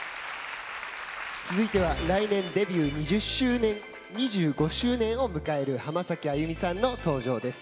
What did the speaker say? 続いては来年、デビュー２５周年を迎える浜崎あゆみさんの登場です。